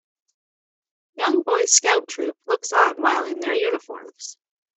Young boy scout troop looks on while in their uniforms.